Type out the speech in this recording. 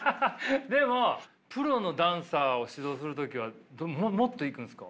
でもプロのダンサーを指導する時はもっといくんですか。